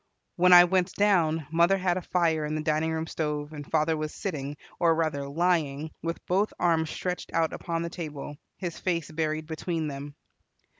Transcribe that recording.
When I went down, mother had a fire in the dining room stove, and father was sitting, or rather lying, with both arms stretched out upon the table, his face buried between them.